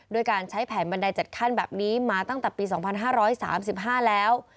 ด้วยการใช้แผนบันได๗ขั้นแบบนี้มาตั้งแต่ปี๒๕๓๕แล้ว